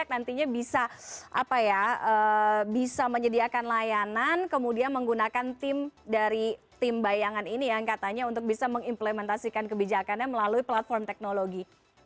nantinya bisa apa ya bisa menyediakan layanan kemudian menggunakan tim dari tim bayangan ini yang katanya untuk bisa mengimplementasikan kebijakannya melalui platform teknologi